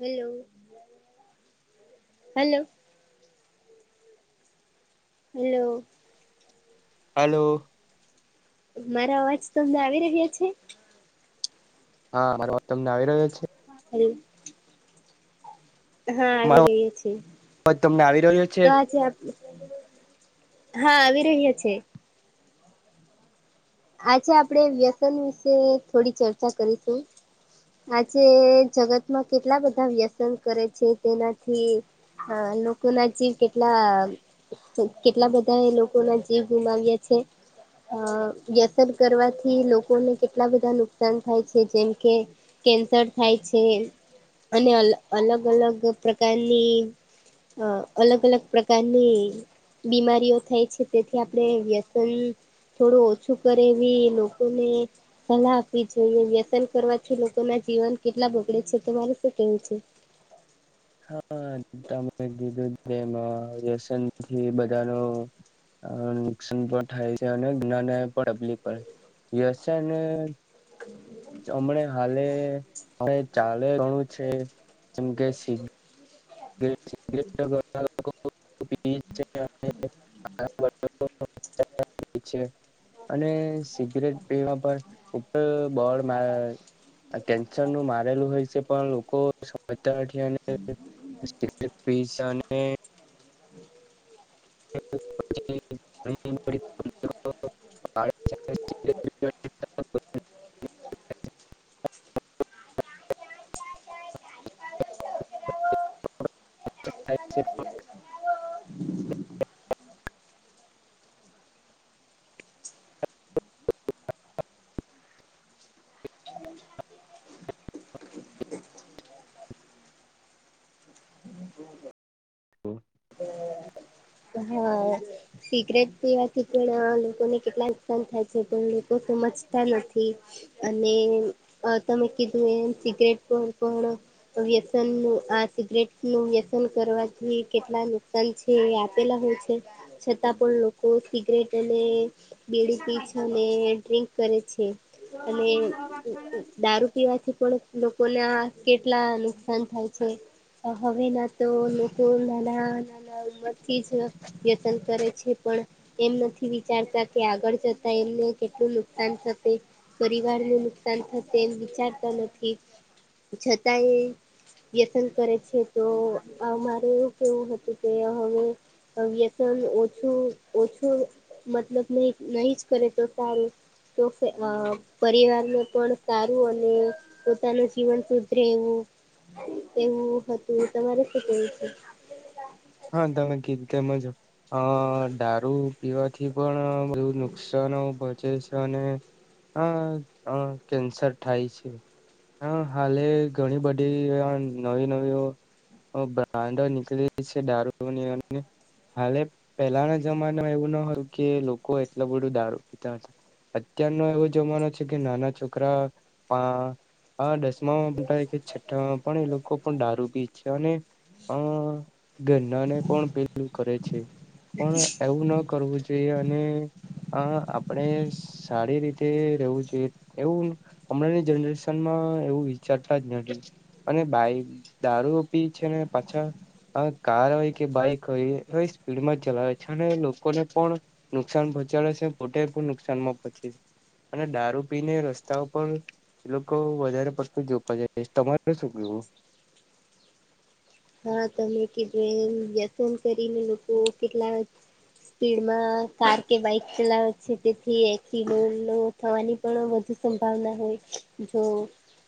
Hello hello hello hello મારા અવાજ તો અમને આવી રહ્યા છે. હા મારા વાત તમને આવી રહ્યો છે. હમ્મ હા આવી મારો રહહી છએ, અવાજ તમને આવી રહ્યો છે? તો આજે આપ હા આવી રહ્યા છે. આજે આપણેે વ્યસન વિશે થોડી ચર્ચા કરીશું આજે જગતમાં કેટલા બધા વ્યસન કરે છે. તેનાથી હા, લોકો ના જીવ કેટલા કેટલા બધા એ લોકો ના જીવ ગુમાવ્યા છે. અ વ્યસન કરવાથી લોકોને કેટલા બધા નુકસાન થાય છે, જેમ કે કેન્સર થાય છે. અને અલ અલગ અલગ પ્રકારની અ અલગ અલગ પ્રકારની બીમારીઓ થાય છે. તેથી આપણે વ્યસન થોડું ઓ શું કરેવી લોકોને સલાહ આપવી જોઈએ વ્યસન કરવાથી લોકો ના જીવન કેટલા બગડે છે તો મારે શું કેવું છે હા તમે કીધુંમાં વ્યસન થી બધા ન નુકસાન પણ થાય છે, અને જઞ પબલીય છેને હમણા હાલે ચાલે ગણું છે. જેમકે [inaudible] [unintelligible] હ છે અને સિગરેટ પીવા પણ બળ કેન્સર નું મારેલું હોય છે. પણ લોકો પિઝા ને [inaudible] [inaudible] હ હા સિક્રેટ પીવાથી પણ લોકોને કેટલા નુકસાન થાય છે. પણ લોકો સમજતા નથી અને તમે કીધું એમ સિગરેટ પર પણ વ્યસન નું આ સિગરેટ નું વ્યસન કરવાથી કેટલા નુકસાન છે, એ આપેલા હોય છે. છતાં, પણ લોકો સિગરેટ અને બેડી અને ડ્રિંક કરે છે, અને દારૂ પીવાથી પણ લોકોને આ કેટલા નુકસાન થાય છે, હવે ના તો લોકો ના ના નાના ઉંમરથી જ વ્યતન કરે છે. પણ એમ નથી વિચારતા કે આગળ જતા એમને કેટલું નુકસાન થશે પરિવારને નુકસાન થશે એમ વિચારતો નથી. છતાંય વ્યસન કરે છે, તો અમારે કેવું હતું કે હવે ઓછું, ઓછું મતલબ નહી નહીિ જ કરે તો સારું. તો પરિવારને પણ સારું અને પોતાનું જીવન સુધરે એવું એવું હતું તમારે શું કવું છે. હા તમે કીતેજો અ દારૂ પીવાથી પણ બધુ નુકસાનવું પડ આ કેન્સર થાય છે. હા હાલે ઘણી બધી નવી નવી બ્રાન્ડો નીકળી છે દારૂ હાલે પહેલાના જમાનામાં એવું ના હોયું કે લોકો એટલું બધું દારૂ પીતા હતા અત્યારનો એવો જમાનો છે, કે નાના છોકરા હા દસમામાં કે છઠ્ઠામાં પણ એ લોકો લોકો પણ દારૂ પી છે, અને અ ઘરનાને પણ પેલું કરે છે. પણ એવું ન કરવું જોઈએ અને આ આપણેે સારી રીતે રહેવું જોઈએ એવું? હમણાંની જનરેશનમાં એવું વિચારતા જ અને દારૂ પી છે, ને પાછા હ કાર હોય કે બાઈક હોય એ સ્પીડમાં ચલાવે છે, અને લોકોને પણ નુકસાન પહોંચાડે છે, બધા પણ નુકસાનમાં પહંચે છે. અને દારૂ પીને રસ્તા ઉપર એ લોકો વધારે પડતું જવ તમારે શું કેવું હા તમે કે વ્યસન કરીને લોકો કેટલા સ્પીડમાં કાર કે બાઈક ચલાવે જે તેથી એક ખીલો થવાની પણ વધુ સંભાવના હોય જો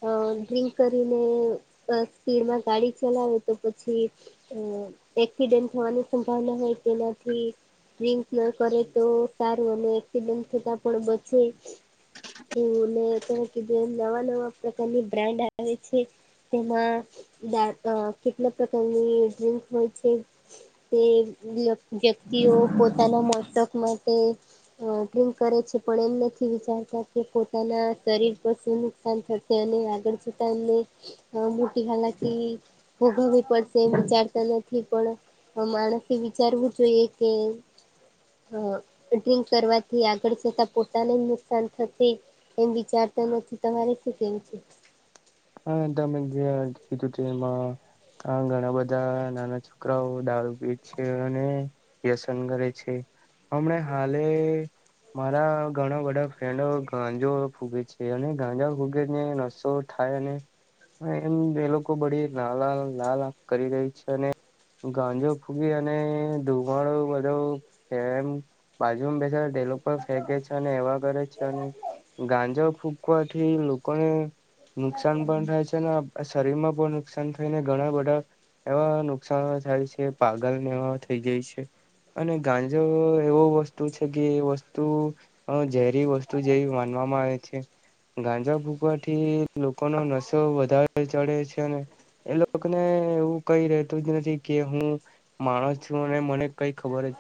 અ ડ્રિંક કરીને સ્પીડમાં ગાડી ચલાવે તો પછી અ એક્સિડેન્ટ થવાની સંભાવના હોય તેનાથી ડિંક ના કરે તો સારું અને એક્સિડેન્ટ થતા પણ બચે. એવું ને તમે કીધું એ નવા નવા પ્રકારની બ્રાન્ડ આવે છે. તેમા કેટલા પ્રકારની ડ્રિંક હોય છે. તે વ્યક્તિઓ પોતાના મોતક માટે અ ડ્રિંક કરે છે, પણ એમ નથી વિચારતા કે પોતાના શરીર પાસે તેની થશે અને આગળ જતા એમને મોટી હાલાકી ભોગવવી પડશે એ વિચારતા નથી પણ માણસે વિચારવું જોઈએ કે અ ડ્રિંક કરવાથી આગળ જતા પોતાને જ નુકસાન થશે એમ વિચારતા નથી તમારે શું કેવું છે. હા તમે ગ કીધુંતે એમાં હા ઘણા બધા નાના છોકરાઓ દારૂ પીજ છે અને વ્યસન કરે છે હમણા હાલે મારા ઘણા બધા ફ્રેન્ડો ગાંજો ફૂગે છે અને ગાંજા ફૂગેને નસો થાય એમ એ લોકો બડી નાલા લાલ કરી રહી છે અને ગાંજો ફૂગી અને ધુમાડો બધો કેમ બાજુ બેસા ઢેલો પણ ફેંકે છે અને એવા કરે છે અને ગાંજ ફૂકવા એથી લકને નુકસાન પણ થાય છે ને શરીર માં પણ નુકસાન થાય ને ઘણા બધા એવા નુકસાન થાય છે પાગલને એ થઈ ગાય છે. અને ગાંજો એવો વસ્તુ છે કે વસ્તુ ઝેરી વસ્તુ જેવી માનવામાં આવે છે ગાંજા ભૂગવાથી લોકોનો નશો વધારે ચડે છે. એ લોકોને એવું કઈ રેતું જ નથી કે હું માણસ છું અને મને કઈ ખબર જ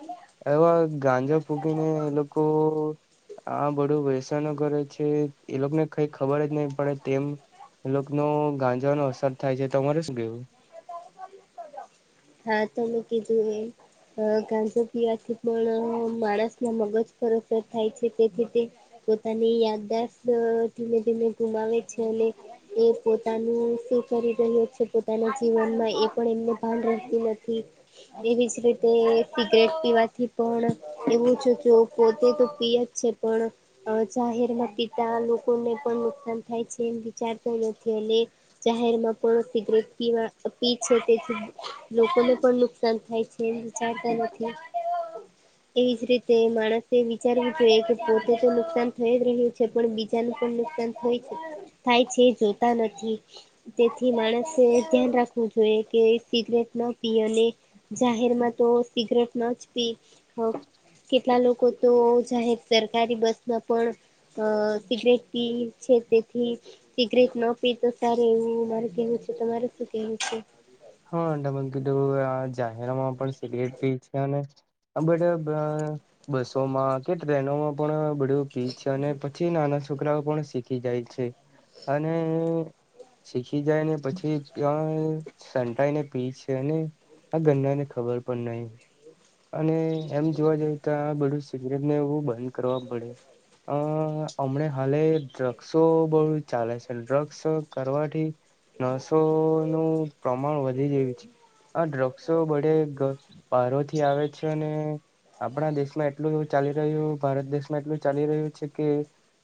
એવા ગાંજા ફૂકીને એ લોકો હા બધું વેસાણ કરે છે એ લોકોને કઈ ખબર જ નહી પડે. તેમ લોકો ન ગાંજવાનો અસર થાય છે તોરે શ ગયું હા તો મે કીધું એમ. અ કાજો પીવાથી પણ માણસના મગજ પરરસ થાય છે તેથી તે પોતાની યાદદાસત ધીમે ધીમે ગુમાવે છે અને એ પોતાનું શું કરી રહ્યો છે પોતાના જીવનમાં એ પણ એમને ભાર ર નથી એવીજ રીતે સિગરેટ પીવાથી પણ એવું છ જો પોતે તો પીય જ છે પણ જાહેરમાં પીતા લોકોને પણ નુકસાન થાય છે એમ વિચાર થઈ નથી એટ જાહેર માં પોો સીગ્રેટ પીવા પી છે, તેથી લોકોને પણ નુકસાન થાય છે, એ વિચારતા નથી એવી જ રીતે, માણસે વિચારવું જોઈએ કે પોતે તો નુકસાન થઈ જ રહ્યું છે પણ બ પણ નુકસાન થય છે, થાય છે જોતા નથી. તેથી માણસે ધ્યાન રાખવું જોઈએ કે સિગરેટ ના પી અને જાહેર માં તો સિગરેટ ન જ પી કેટલા લોકો તો જાહેર સરકારી બસમાં પણ અ સિગરેટથી છેતેથી. સિગરેટ ન પી તો સાર એવું મારે કેવું છે તો મારે શું કેવું છે. હાું, આ જાહેરામાં પણ સિગરેટ પી છે, અને આ બટ બસોમાં કે ટ્રેનોમાં. પણ બડ્યું પીચ અને, પછી નાના છોકરાઓ પણ શીખી જાય છે, અને શીખી જાય ને પછી ક્યાં સંટાઈને પી છે, અને આ ગન ને ખબર પણ નહી. અને એમ જોવા જઈએ તો આ બધું સિગરેટ ને એવું બંધ કરવા પડે અ હમણા હાલે ડ્રગ્સો બહુ ચાલે છે, ડ્રગ્સ કરવાથી નસો નું પ્રમાણ વધી જેું છે. હ ડ્રગ્સો બડે પારોથી આવે છે, અને આપણા દેશમાં એટલું ચાલી રહ્યું ભારત દેશમાં એટલું ચાલી રહ્યું છે, કે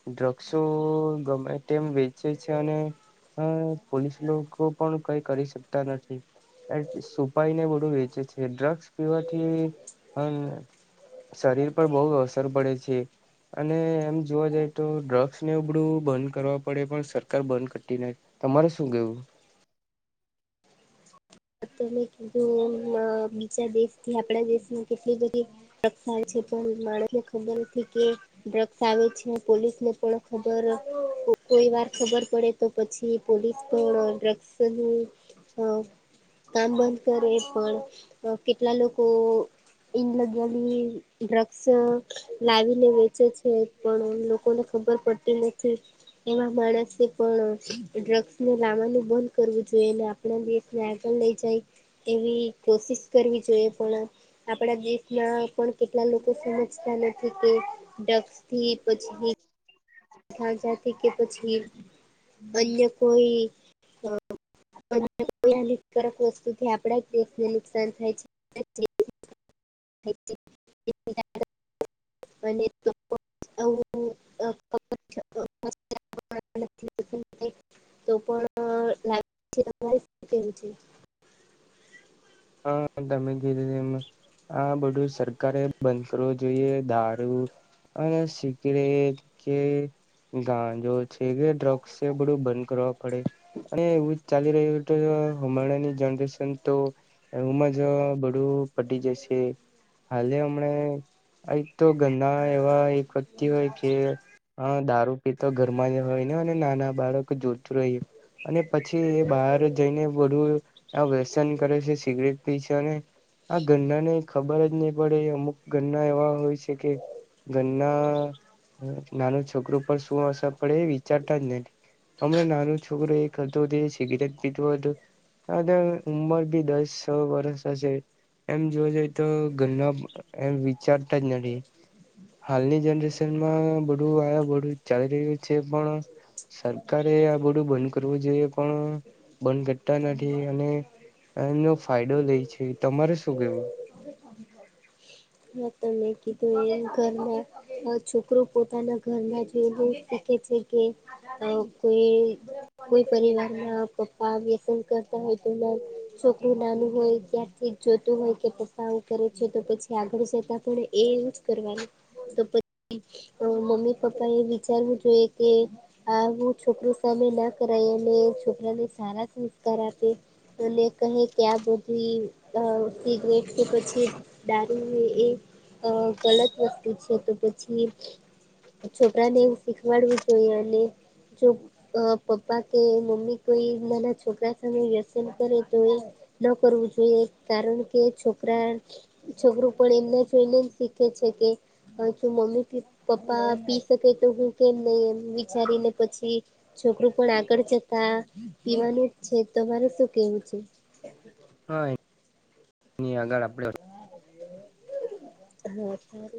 ડ્રગ્સો ગમે એમ વેચે છે, અને હ, પોલીસ લોકો પણ કઈ કરી શકતા નથી. એટ સુપાઈને બધું વેચે છે, ડ્રગ્સ પીવાથી શરીર પર બહુ અસર પડે છે. અને એમ જોવા જાય તો ડ્રગ્સને ઉબડું બંધ કરવા પડે પણ સરકાર બંધ કરતી નથી. તમારે શું ગવું ત મેને કીધું બીજા દેશ થી આપણા દેશની કેટલી બધી થાય છે. પણ માણસને ખબર નથી કે ડ્રગ્સ આવે છે, પોલીસ ને પણ ખબર કોઈ વાર ખબર પડે. તો પછી પોલીસ પણ ડ્રગ્સનું કામ બંધ કરે પણ કેટલા લોકો ઇને લગ્યાલી ડ્રગસ લાવીને વેચે છે, પણ લોકોને ખબર પડતી નથી. એવા માણસે પણ ડ્રગ્સ ને લાવવાનું બંધ કરવું જોઈએ ને આપણા દેશ લઈ જાય એવી કોશિશ કરવી જોઈએ પણ આપણા દેશમાં પણ કેટલા લોકો સમજતા નથી કે ડ એ પછી જથી કે પછી અન્ય કોઈ ક વસ્તુથી આપડા દેશને નુકસાન થાય છે. અ તો પણ લે છેું છે. હા તમે ગીધી એમ હા બધું સરકારે બંધ કરવું જોઈએ દારૂ અને સિગરેટ કે ગાંજો છે, કે ડ્રગ્સ એ બડું બન ગ્રહ પડે અને એવું ચાલી રહ્યું તો હમાંની જનરેશન તો એવુંમાં જ બધું પટી જશે હાલે હમણા આ તો ગંદ એવા એક વતી હોય કે હા દારૂ પીતો ઘરમાં જ હોય ને અને નાના બાળક જોતું રહી અને પછી એ બહાર જઈને બડું વ્યસન કરે છે. સિગરેટ પી છે, અનેને આ ઘરના ને ખબર જ નહી પડે અમુક ઘરના એવા હોય છે, કે ઘરના નાનું છોકરું પર શું અસર પડે એ વિચારતા જ નથી. હમણાં નાનો છોકરો એ કરતો હતો સિગરેટ પીધો હતું. અ ઉમર ભી દસ સ વરષ હશે એમ જોવા જઈએ તો ઘરના એમ વિચારતા જ નથી હાલની જનરેશનમાં બધું આ બધું ચાલી રહ્યું છે, પણ સરકારે આ બધું બંધ કરવું જોઈએ પણ બંધ કરતા નથી અને એનો ફાયદો લે છે, તમારે શું કેવું મતને કીધું ઘરમાં છોકરો પોતાના ઘરમાં જોયવું શીખે છે. કે કોઈ, કોઈ પરિવાર ના પપ્પા વ્યસન કરતા હોય તો છોકરું નાનું હોય ત્યાંથી જોતું હોય કે પસાવ કરે છે, તો પછી આગળ જતા પણ એ એવું જ કરવાનું તો પછી મમ્મી પપ્પા એ વિચારવું જોઈએ કે આું છોકરો સામે ના કરાય અને છોકરાને સારા સંસ્કાર આપે અને કહે કે આ બધી સિગરેટ કે પછી દારૂ એ ગલત વસ્તુ છે, તો પછી છોકરા ને એવું શીખવાડવું જોઈએ અને જો અ પપ્પા કે મમ્મી કોઈ નાના છોકરા સામે વ્યસન કરે તો એ ન કરવું જોઈએ કારણ કે છોકરા છોકરું પણ એમને જોઈને જ શીખે છે, કે શું મમ્મી પ પપ્પા પી શકાય તો હું કેમ નહી એમ વિચારીને પછી છોકરું પણ આગળ જતા પીવાનું જ છે, તો મારે શું કેવું છે. હા આગળ આપડે હું.